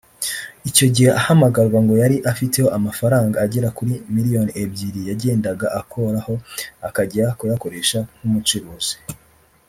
Icyo gihe ahamagarwa ngo yari afiteho amafaranga agera kuri miliyoni ebyiri yagendaga akoraho akajya kuyakoresha nk’umucuruzi